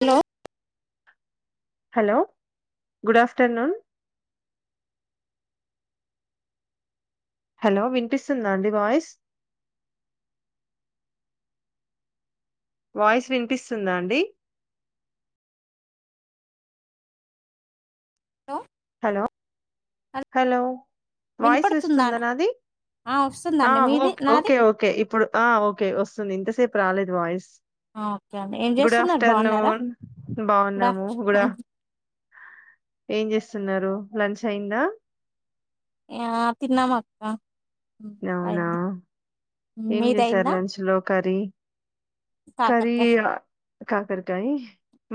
Hello hello good afternoon hello వినిపిస్తుందాఅండి voice voice వినిపిస్తుందా అండి హలో హలో హలో వాయిస్ వినపడుతుందా ఇస్తుందానాది ఆ ఆ వస్తుందండి ఓ మీది నాది ఓకే ఓకే ఇప్పుడు ఆ ఓకే వస్తుంది ఇంతసేపు రాలేదు వాయిస్ ఓకే అండి ఏం గుడ్ చేస్తున్నారు బాగున్నారా ఆఫ్టర్నూన్ గుడ్ బాగున్నాము గుడ్ ఆఫ్టర్నూన్ ఆఫ్ ఏం చేస్తున్నారు లంచ్ అయిందా ఆ తిన్నమాక్క అవునా ఏం చేసారు మీదయిందా లంచ్ లో కర్రీ కర్రీ కాకరకాయ కాకరికాయి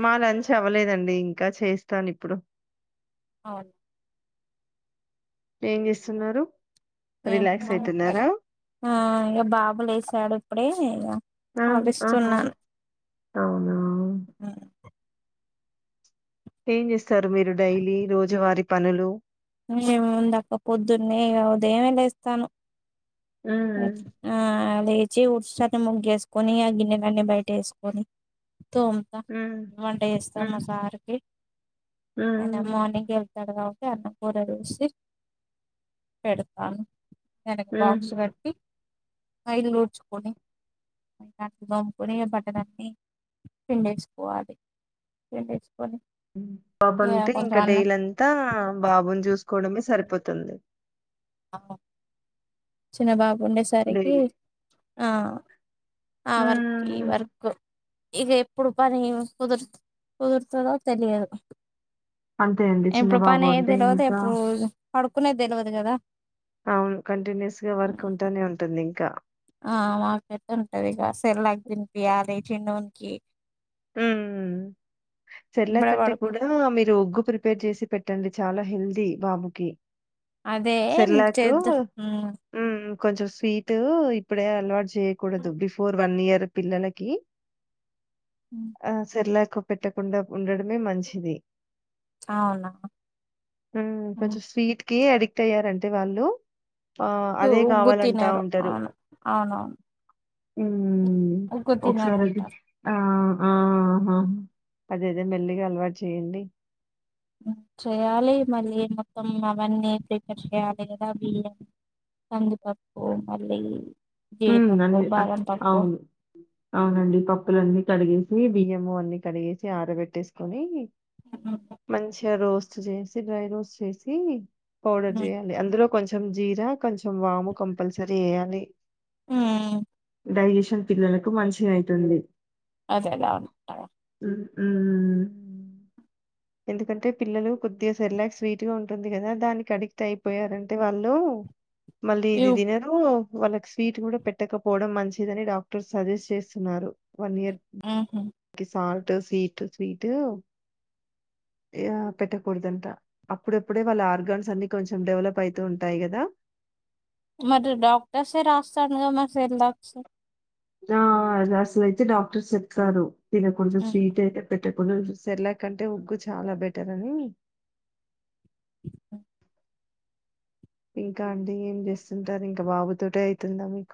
మా లంచ్ అవ్వలేదండి ఇంకా చేస్తాను ఇప్పుడు అవు ఏం చేస్తున్నారు రిలాక్స్ ఏమున్నా అయితున్నారా ఆ ఇక బాబులే చాడు ఇప్పుడే ఇక ఆ ఆహా ఆవిస్తున్నాను అవున ఏం చేస్తారు మీరు డైలీ రోజువారి పనులు ఏముందక్క పొద్దున్నే గ ఉదయమే లేస్తాను హ్మ్. ఆ లేచి ఉట్సని మగ్గేసుకొని ఆ గిన్నెలన్నీ బయట వేసుకొని తోముతా హ్మ్. వంట చేస్తా హ్మ్. మ సారికి ఆయనా హ్మ్. మార్నింగ్ వెళ్తాడు గా అన్నమ్ కూర చేసి పెడతాను దానికి హుహు. బాక్స్ కట్ ఇళ్ళు డ్చుకొని దోముకని బట్టలన్ని పిండేసుకోవాలి ఎంతేసుకొని బాబు అంతే ఇంకా డైలీ అంతా బాబుని చూస్ కుడమే సరిపోతుంది చిన్న బాబు ఉండేసరికి డైలీ. ఆ ఆ వర్క్ ఈ హ్మ్. వర్క్ ఇక ఎప్పుడు పని కుదురు కుదురుతదో తెలియదు అంతే అండి ఏ చిన్న ప్పుడు పని బాబు అయ్యేది అంటే తెలవదు ఇంకా ఎప్పుడు పడుకునేది తెలవదు కదా అవును కంటిన్యూస్ గా వర్క్ ఉంటానే ఉంటుంది ఇంకా ఆ మా పెద్ద ఉంటది ఇక సెరిలాక్ దినిపియాలి చిన్నవునికి ఊమ్ సర్లేక్ ఇప్పుడే కంటే పడుకో కూడా మీరు గ్గు ప్రిపేర్ చేసి పెట్టండి చాలా హెల్దీ బాబుకి అదే సెర్లాకు చేద్దాం ఉమ్ కొంచెం స్వీట్ ఇప్పుడే అలవాటు చేయకూడదు బిఫోర్ వన్ ఇయర్ పిల్లలకి ఆ సిర్లాకు పెట్టకుండా ఉండడమే మంచిది అవునా ఉమ్ కొంచెం స్వీట్ కి ఎడిక్ట్ అయ్యారంటే వాళ్ళు ఆ అదే ఉగ్గు గావాలంటా తినరు ఉంటారు అవును అవునవును ఉమ్ ఉగ్గు ఒకసారి అది తినరంటారు ఆఆ ఆహా అదేదే మెల్లిగా అలవాటు చెయ్యండి చేయాలి మళ్ళీ మొత్తం అవన్నీ ప్రిపేర్ చేయాలి గదా బియ్యం కంది పప్పు మళ్లీ ఉమ్ అండి అవును అవునండి పప్పులన్నీ కడిగే బియ్యము అన్ని కడిగేసి ఆరబెట్టేసుకొని మంచిగా రోస్ జేసి డ్రై రోస్ చేసి పౌడర్ చేయాలి అందులో కొంచెం కొంచెం జీరా కొంచెం వాము కంపల్సరి యేయాలి ఉమ్ డైజేషన్ పిల్లలకు మంచిగైతుంది అదేలా అవును [unintelligible] ఉఉమ్ ఎందుకంటే పిల్లలు కొద్దిగా సెర్లాక్ స్వీట్ గా ఉంటుంది గదా దానికి అడిక్ట్ అయిపోయారంటే వాళ్ళు మళ్ళీ ఇ ఇది దినరు వాళ్ళకి స్వీట్ కూడా పెట్టకపోవడం మంచిదని డాక్టర్ సజెస్ట్ చేస్తున్నారు వన్ ఇయర్ ఉమ్ హు సాల్ట్ స్వీట్ స్వీట్ యా పెట్టకూడదంట అప్పుడప్పుడే వాళ్ళ ఆర్గాన్స్ అన్ని కొంచెం డెవలప్ అయితూ ఉంటాయి గదా [inaudible] మరి డాక్టర్సే రాస్తానుగా మరి సెర్లాక్స్ ఆ అ అసలైతే డాక్టర్ చెప్తారు తినకూడదు ఉమ్. స్వీట్ అయితే పె ట్ట కూడదు సెర్లాక్ కంటే ఉగ్గు చాలా బెటర్ అని ఇ [inaudible] ఇంకా అండి ఏం జేస్తుంటారు ఇంకా బాబుతోటే ఐతుందా మీకు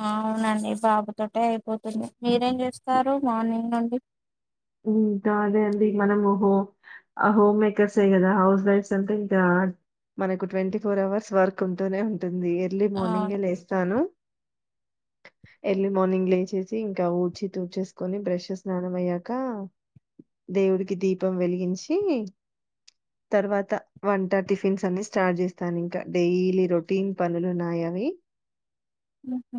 ఆ అవునండి బాబుతోటే అయిపోతుంది మీరేం జేస్తారు మార్నింగ్ నుండి ఉమ్ ఇంకా అదే అండి మనము హో హోమ్ మేకర్సే గదా హౌస్ వైఫ్స్ అంటే ఇంకా మనకు ట్వంటీ ఫోర్ అవర్స్ వర్క్ ఉంటూనే ఉంటుంది ఎర్లీ అవును మార్నింగే లేస్తాను ఎర్లీ మార్నింగ్ లేచేసి ఇంకా ఊడ్చి తూడ్చేసుకొని బ్రేష్ స్నానం అయ్యా కా దేవుడికి దీపం వెలిగించి తర్వాత వంట టిఫిన్స్ అన్ని స్టార్ట్ జేస్తాను ఇంకా డైలీ రొటీన్ పనులు న్నాయ్ అవి హుహూ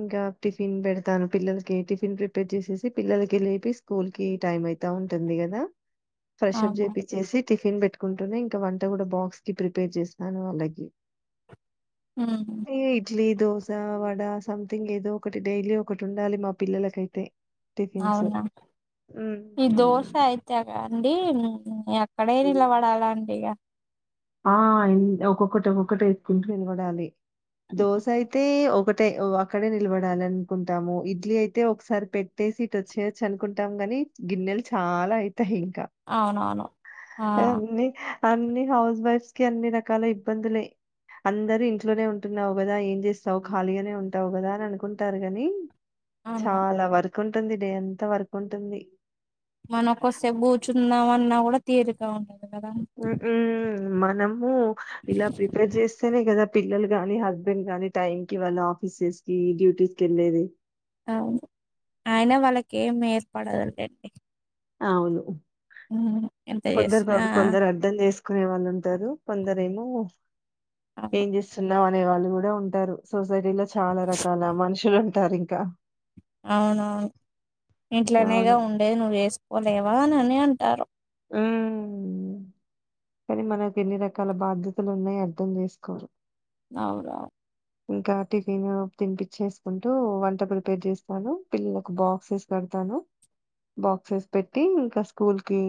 ఇంకా టిఫిన్ బెడతాను పిల్లలకి టిఫిన్ ప్రిపేర్ జేసేసి పిల్లలకి లే స్కూల్ కి టైం అయితా ఉంటుంది గదా ఫ్రెష్ అప్ అవునా చేపిచ్చేసి టిఫిన్ పెట్ కుంటూనే ఇంకా వంట గూడా బాక్స్ కి ప్రిపేర్ జేసినాను వాళ్ళకి ఉమ్. Tea idli dosa vada something ఏదో ఒకటి డైలీ ఒకటి ఉండాలి మా పిల్లలకైతే టిఫిన్స్ అవునా ఈ దోశ హ్మ్. అయితే అండి అక్కడే నిలబడాలండి ఇగ ఆ ఒక్కొక్కటి ఒక్కొక్కటి ఏసుకుంటూ నిలబడాలి దోశ అయితే ఒకటెే అక్కడే నిలబడాల అనుకుంటాము ఇడ్లీ అయితే ఒకసారి పెట్టేసి ఇటు వచ్చేయొచ్చు అనుకుంటాం గానీ కానీ గిన్నెలు చాలా అయితాయి ఇంకా అవునవును ఆ అన్ని అన్ని హౌస్ వైఫ్స్ కి అన్ని రకాల ఇబ్బందులే అందరూ ఇంట్లోనే ఉంటున్నావు గదా ఏం జేస్తావు ఖాళీగానే ఉంటావు గదా అని అనుకుంటారు గాని అవును చాలా వర్క్ ఉంటుంది డే అంత వర్క్ ఉంటుంది మన కొసేపు కూర్చుందామన్నా కూడా తీరీకా ఉండా ఉ ఉహ్మ్ మనము ఇలా ప్రిపేర్ చేస్తేనే కదా పిల్లలుగాని హస్బెండ్ గానీ టైం కి వాళ్ళ ఆఫీసెస్‌కి డ్యూటీస్‌కి ఏళ్ళేది అవును అయినా వాళ్ళకి ఏం ఏర్పడదులేండి అవును ఉమ్, ఎంత కొందరు చేసినా బాబు కొందరు అర్థం చేసుకునే వాళ్ళు ఉంటారు కొందరు ఏమో హ్మ్ అవును ఏం చేస్తున్నావ్ అనే వాళ్ళు కూడా ఉంటారు సో సొసైటీలో చాలా రకాల మనుషులు ఉంటారు ఇంకా అవునవును ఇంట్లనేగా అవును ఉండేది నువ్వు చేసుకోలేవా అనని అంటారు ఉహ్మ్ కానీ మనకు ఎన్ని రకాల బాధ్యతలు న్నాయి అర్థం చేసుకోరు అవురా ఇంకా టిఫిన్ తినిపిచ్చేసుకుంటూ వంట ప్రిపేర్ చేస్తాను పిల్లలకు బాక్సెస్ పెడ తాను బాక్సెస్ పెట్టి ఇంకా స్కూల్ కి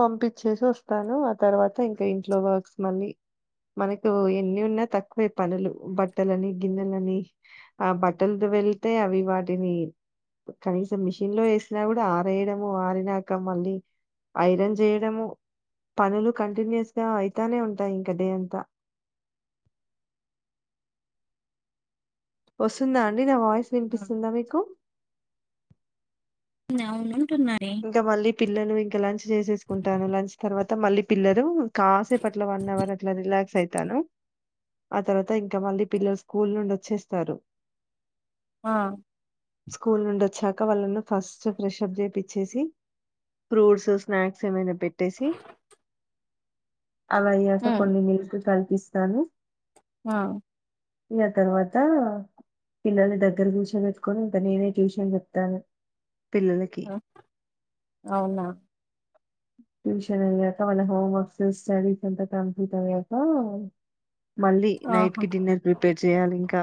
పంపించేసి వస్తాను ఆ తర్వాత ఇంకా ఇంట్లో వర్స్ మళ్ళీ మనకు ఎన్ని ఉన్నా తక్కువే పనులు బ ట్టలని గిన్నెలని ఆ బట్టలతో వెళ్తే అవి వాటిని కనీసం మిషన్ లో ఎసినా కూడా ఆరేయడము ఆరినాక మళ్ళీ ఐరన్ చేయడము పనులు కంటిన్యూస్‌గా అయితానే ఉంటాయి ఇంక డే అంతా [inaudible] వస్తుందా అండి నా వాయిస్ వినిపిస్తుందా మీకు అవును ఇంకా మళ్ళీ పిల్లలు ఇంకా లంచ్ చేసేసుకుంటాను లంచ్ తర్వాత మళ్ళీ పిల్లరు కాసేపు అట్ల వన్ అవర్ అట్లా రిలాక్స్ అయితాను ఆ తర్వాత ఇంకా మళ్ళీ పిల్లలు స్కూల్ నుండి వచ్చేస్తారు ఆ స్కూల్ నుండివొచ్చాక వాళ్ళని ఫస్ట్ ఫ్రెష్ప్ చేపి చ్చేసి ఫ్రూట్స్ స్నాక్ ఏమైనా పెట్టేసి అవి అయ్యాక ఉమ్ కొన్ని మిల్క్ కల్పిస్తాను ఆ ఇగ తర్వాత పిల్లల్ని దగ్గర కూర్చో పెట్టుకొని ఇంకా నేనే ట్యూషన్ చేప్తాను పిల్లలకి ఆ, అవునా ట్యూషన్ అయ్యాక వల్ల హోమ్ వర్క్స్ స్టడీస్ అంతా కంప్లీట్ అయ్యాక మళ్ళీ ఆహా నైట్‌కి డిన్నర్ ప్రిపేర్ చేయాలి ఇంకా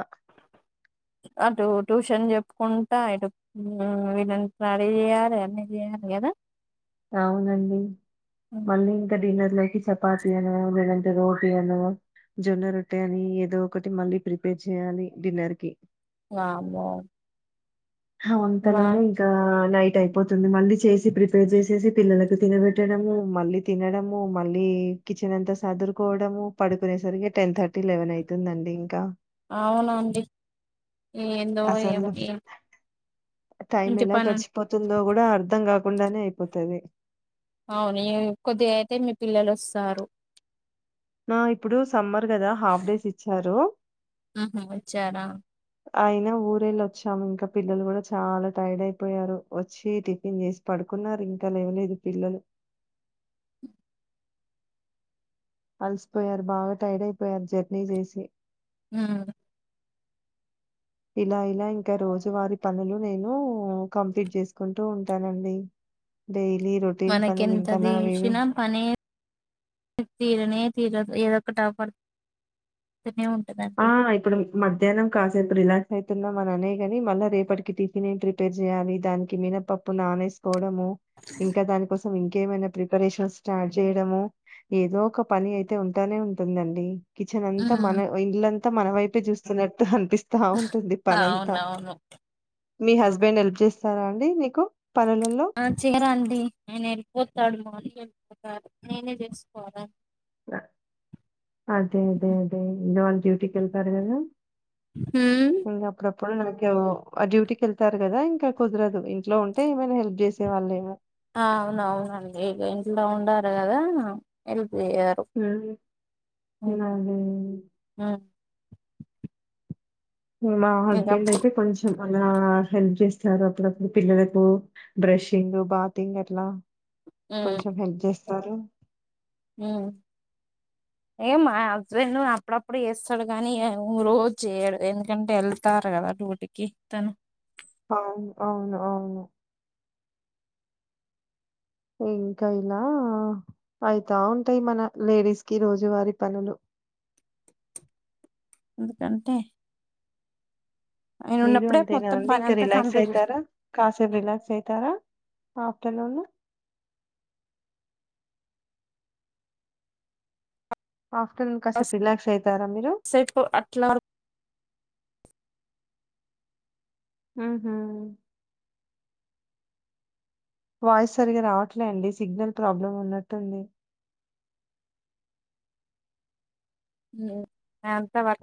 ఉంట ఇడు హ్మ్ వీళ్ళని రెడీ చేయాలి అన్ని చేయాలి కదా అవునండి మళ్ళీ ఇంకా డిన్నర్ లోకి చపాతీ అనో లేదంటే రోటీ అనో జొన్న రొట్టె అని ఏదో ఒకటి మళ్ళీ ప్రిపేర్ చేయాలి డిన్నర్ కి వామ్మో మా అంతలోనే ఇంకా నై ట్ అయిపోతుంది మళ్ళీ చేసి ప్రిపేర్ చేసేసి పిల్లలకు తినబెట్టడము మళ్ళీ తినడము మళ్ళీ కిచెన్ అంతా సదురుకోవడము పడుకునే సరికి టెన్ థర్టీ లెవెన్ అయితుందండి ఇంకా అవునాండి అసలు టైం ఇంటి ఎలా పని గడిచిపోతుందో కూడా అర్ధం కా కుండానే అయిపోతాది అవును ఇగ కొద్దిగా అయితే మీ పిల్లలు వసారు హ ఇప్పుడు సమ్మర్ కదా హాఫ్ డేస్ ఇచ్చారు ఆహా వచ్చారా అయినా ఊరెళ్ళి వచ్చాము ఇంకా పిల్లలు కూడా చాలా టైడ్ అయిపోయారు వచ్చి టిఫిన్ చేసి పడు కున్నారు ఇంక లేవలేదు పిల్లలు [inaudible] అలసిపోయారు. బాగా టైడ్ అయిపోయారు జర్నీ చేసి. ఉ ఇలా ఇలా ఇంకా రోజువారి పనులు నేను కంప్లీట్ చేసుకుంటు ఉంటానండి. డే మనకి ఎంత దీసిన పని తీరనే తీరదు ఏదోకటి ఆ పడ్ తునే ఆ ఇప్పుడు మధ్యాహ్నం కాసేపు రిలాక్స్ అయి తున్నం అని అనే కాని, మళ్ళ రేపటికి టిఫిన్ ఏం ప్రిపేర్ చేయాలి, దానికి మీనపప్పు నానేేసుకో ము ఇంక దాని కోసం ఇంకేమైనా ప్రిపరేషన్ స్టార్ట్ చేయడము. ఏదో ఒక పని అయితే ఉంటానే ఉంటుందండి. కిచెన్ అంతా, మన ఉమ్ ఇల్లంతా మన వైపే చూస్తున్నట్టు అనిపిస్ తా వుంటుంది పనంత. అవునవును మీ మ్మ్. హస్బెండ్ హెల్ప్ చేస్తారా అండి మీకు? పనులలో? ఆ చేయరండి. ఆయన ఎళ్ళిపోతాడు, మార్నింగ్ ఎళ్ళిపోతారు. నేనే చేసుకోవాల. అదే అదే అదే ఇంగ వాళ్ళు డ్యూటీకి వెళ్తారు కదా. ఊ పుడు నాకేవో ఆ డ్యూటీకి ఎళ్తారు కదా ఇంకా కుదరదు. ఇంట్లో ఉంటే ఏమైనా హెల్ప్ చేసే వాళ్లేమో. ఆ అవునవునండి ఇగ ఇంట్లో ఉండరు కదా. ఎల్ వేయరు హ్మ్. ఉహు అదే. ఉ మా ఇక హస్బెండ్ అయితే కొంచం అలా హెల్ప్ చేస్తారు అప్పుడప్పుడు పిల్లలకు బ్రెషింగ్ బాతింగ్ అట్లా కొంచెం హెల్ప్ చేస్తారు. ఉ [inaudible] ఇ మా హస్బెండ్ అప్పుడప్పుడు చేస్తడు కానీ, ఇగ రోజు చేయడు ఎందుకంటే ఎళ్తారు కదా. డుటీకి తను అవును అవును అవును ఇంక ఇలా అయితా ఉంటయి మన లేడీస్ కి రోజువారీ పనులు. [inaudible] ఎందుకంటే ఆయన మీరు ఉన్నప్పుడే అంతేనా మొత్తం అండి, పని ఇంక అంతా రిలాక్స్ కంప్లీట్ అయితారా కాసేపు రిలాక్స్ అయితారా? ఆఫ్టర్నూన్ ఆఫ్టర్నూన్ కాసేపు చేసేపు రిలాక్స్ అయితారా మీరు? అట్లా ఉహు వాయిస్ సరిగ రావట్లే అండి, సిగ్నల్ ప్రాబ్లం ఉన్నట్టుంది. [inaudible]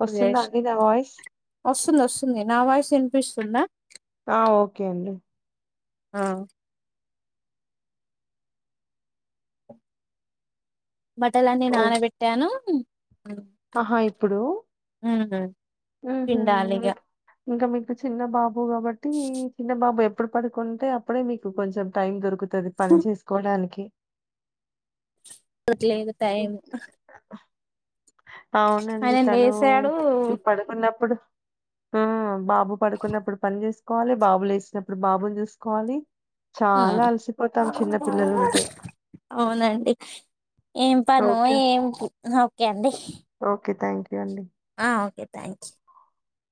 వస్తుందా అండి నా వాయిస్ వసుంది వసుంది నా వాయిసు ఇన్ పిస్తుందా ఆ ఓకే అండి ఆ బట్టలన్నీ ఓ నానబెట్టాను. ఉమ్ ఆహా ఇప్పుడు పిండాలిగా చిన్న బాబు కాబట్టి, చిన్న బాబు ఎప్పుడు పడుకుంటే అప్పుడే మీకు కొంచెం టైం దొరుకు తది పని చేసుకోడానికి ట్లేదు టైము అవునండి తను లేసాడు ఇ పడుకున్నప్పుడు ఊ బాబు పడుకున్నప్పుడు పని చేసుకోవాలి, బాబులు లేసినప్పుడు బాబుని చూసుకోవాలి. ఆ చాలా అలసిపోతాం చిన్న పిల్లలుంటే అవునండి ఏం పనో ఓకే ఏం ఇపు ఓకే అండి ఓకే థ్యాంక్ యూ అండి ఆ ఓకే థ్యాంక్యూ